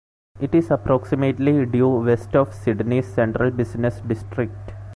It is approximately due west of Sydney's central business district.